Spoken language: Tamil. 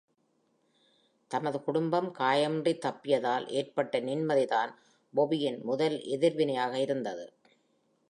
தமது குடும்பம் காயமின்றி தப்பியதால் ஏற்பட்ட நிம்மதி தான் Bobby-யின் முதல் எதிர்வினையாக இருந்தது.